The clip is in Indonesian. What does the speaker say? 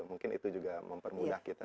mungkin itu juga mempermudah kita